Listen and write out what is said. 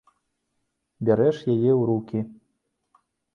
Бярэш яе ў рукі.